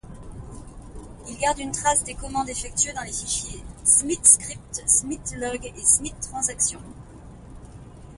Il garde une trace des commandes effectuées dans les fichiers smit.script, smit.log et smit.transaction.